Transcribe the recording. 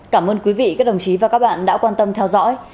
cảm ơn quý vị các đồng chí và các bạn đã quan tâm theo dõi